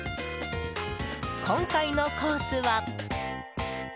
今回のコースは。